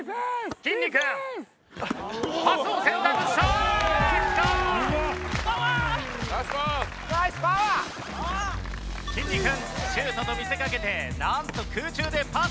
きんに君シュートと見せかけてなんと空中でパス。